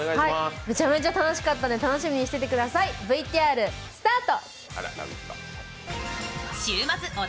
めちゃめちゃ楽しかったんで楽しみにしてください、ＶＴＲ、スタート！